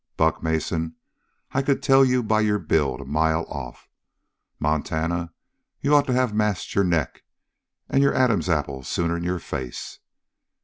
Buck Mason, I could tell you by your build, a mile off. Montana, you'd ought to have masked your neck and your Adam's apple sooner'n your face.